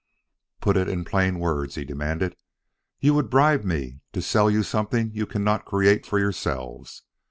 "Put it in plain words," he demanded. "You would bribe me to sell you something you cannot create for yourselves.